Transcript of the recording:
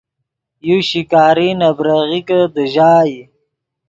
یو شکاری نے بریغیکے دیژائے